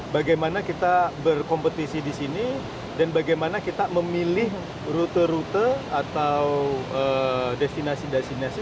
bagaimana kita berkompetisi di sini dan bagaimana kita memilih rute rute atau destinasi destinasi